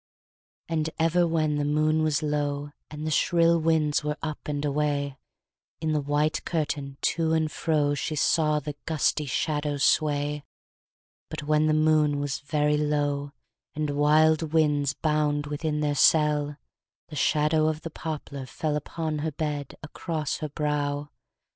And ever when the moon was low, And the shrill winds were up and away, In the white curtain, to and fro, She saw the gusty shadow sway. But when the moon was very low, And wild winds bound within their cell, The shadow of the poplar fell Upon her bed, across her brow.